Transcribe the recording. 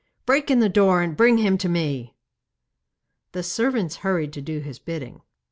'Break in the door, and bring him to me!' The servants hurried to do his bidding.